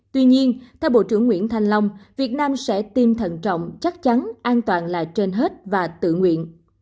tuy nhiên theo bộ trưởng nguyễn thanh long việt nam sẽ tiêm thận trọng chắc chắn an toàn là trên hết và tự nguyện